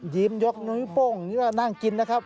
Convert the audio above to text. ยิ้มยกนุบ้งนั่งกินนะครับ